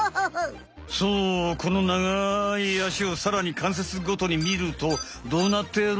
そうこの長いあしをさらにかんせつごとにみるとどうなってる？